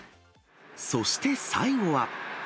そして最後は。